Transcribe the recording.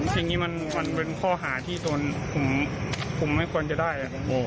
อย่างนี้มันเป็นข้อหาที่โดนผมไม่ควรจะได้